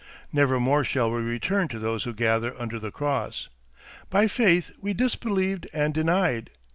Never more shall we return to those who gather under the cross. By faith we disbelieved and denied.